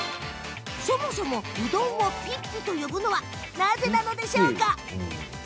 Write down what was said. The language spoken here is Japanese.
そもそもうどんを「ぴっぴ」と呼ぶのはなぜなのでしょうか？